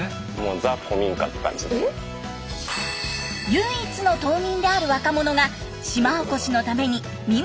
唯一の島民である若者が島おこしのために民泊施設を開業。